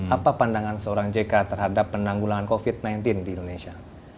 apa pandangan seorang jk terhadap penanggulangan covid sembilan belas di indonesia